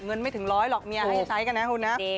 ไม่ถึงร้อยหรอกเมียให้ใช้กันนะคุณนะ